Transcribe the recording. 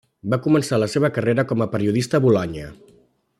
Va començar la seva carrera com a periodista a Bolonya.